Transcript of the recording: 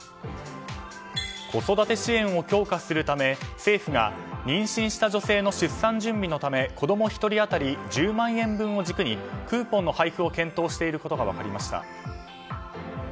子育て支援を強化するため政府が、妊娠した女性の出産準備のため、子供１人当たり１０万円分を軸にクーポンの配布を検討していることが分かりました。